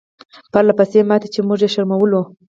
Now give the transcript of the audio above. پرله پسې ماتې چې موږ یې شرمولو.